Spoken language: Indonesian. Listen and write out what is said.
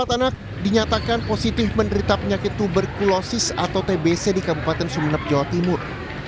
empat anak dinyatakan positif menderita penyakit tuberkulosis atau tbc di kabupaten sumeneb jawa timur